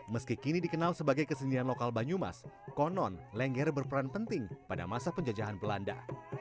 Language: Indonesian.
meski kini dikenal sebagai kesenian lokal banyumas konon lengger berperan penting pada masa penjajahan belanda